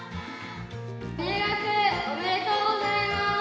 ご入学おめでとうございます。